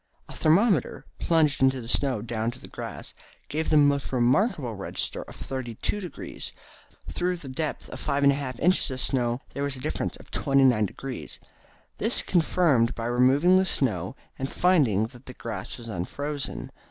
A thermometer, plunged into the snow down to the grass, gave the most remarkable register of 32°. Through the depth of 5 1/2 inches of snow there was a difference of temperature of 29°. This was confirmed by removing the snow, and finding that the grass was unfrozen.